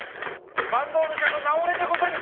坂東武者の名折れでござる！